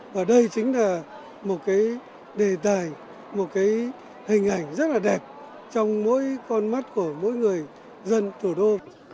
và đây chính là một cái đề tài một cái hình ảnh rất là đẹp trong mỗi con mắt của mỗi người dân thủ đô